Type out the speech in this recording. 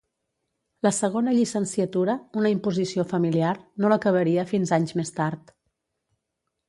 La segona llicenciatura, una imposició familiar, no l'acabaria fins anys més tard.